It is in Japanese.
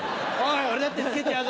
俺だってつけちゃうぞ！